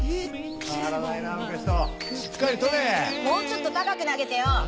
もうちょっと高く投げてよ！